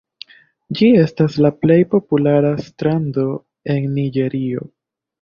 Ĝi estas la plej populara strando en Niĝerio.